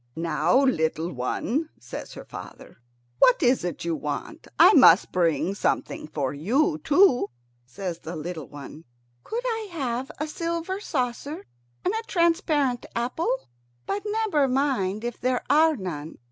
"Now little one," says her father, "what is it you want? I must bring something for you too." Says the little one, "Could I have a silver saucer and a transparent apple? But never mind if there are none."